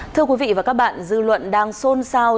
thưa quý vị và các bạn dư luận đang xôn xao